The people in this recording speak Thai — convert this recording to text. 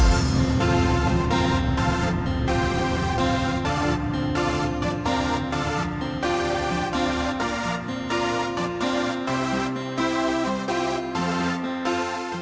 กดสนมงานใหม่